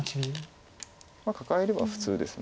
カカえれば普通です。